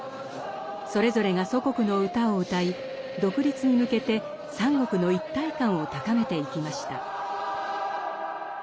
それぞれが祖国の歌を歌い独立に向けて三国の一体感を高めていきました。